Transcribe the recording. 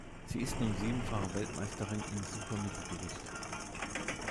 Sie ist nun siebenfache Weltmeisterin im Supermittelgewicht.